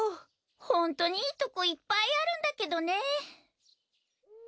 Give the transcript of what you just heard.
ホントにいいとこいっぱいあるんだけどね。